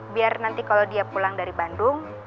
biar nanti kalau dia pulang dari bandung